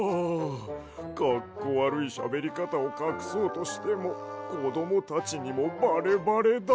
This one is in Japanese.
かっこわるいしゃべりかたをかくそうとしてもこどもたちにもバレバレだわ。